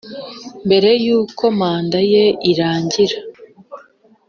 mbere y ‘uko manda ye irangira